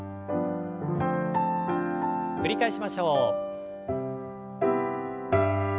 繰り返しましょう。